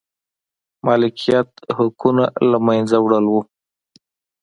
مالکیت حقونو له منځه وړل و.